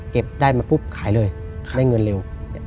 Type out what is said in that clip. ได้มาปุ๊บขายเลยได้เงินเร็ว